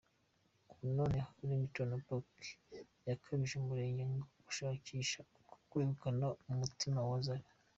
Ubu noneho, Ringtone Apoko yakajije umurego mu gushakisha uko yakwegukana umutima wa Zari.